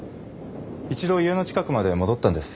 一度家の近くまで戻ったんです。